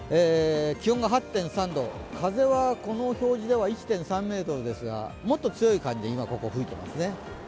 気温が８．３度、風はこの表示では１．３ｍですがもっと強い感じで今ここ吹いていますね。